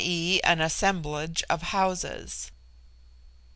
e., an assemblage of houses).